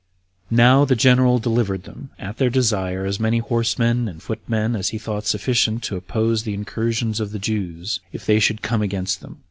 Now the general delivered them, at their desire, as many horsemen and footmen as he thought sufficient to oppose the incursions of the Jews, if they should come against them.